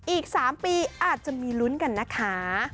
อีก๓ปีอาจจะมีลุ้นกันนะคะ